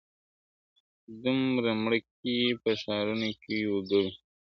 دومره مړه کي په ښارونو کي وګړي ..